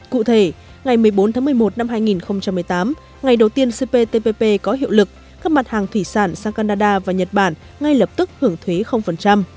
cụ thể ngày một mươi bốn tháng một mươi một năm hai nghìn một mươi tám ngày đầu tiên cptpp có hiệu lực các mặt hàng thủy sản sang canada và nhật bản ngay lập tức hưởng thuế